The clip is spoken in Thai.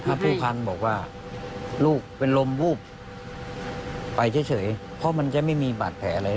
ถ้าผู้พันธุ์บอกว่าลูกเป็นลมวูบไปเฉยเพราะมันจะไม่มีบาดแผลอะไร